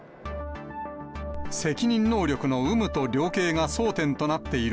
責任能力の有無と量刑が争点となっている